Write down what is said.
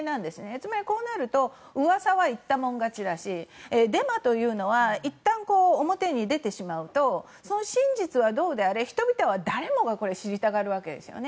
つまり、こうなると噂は言った者勝ちだしデマというのはいったん表に出てしまうとその真実はどうであれ人々は誰もが知りたがるわけですよね。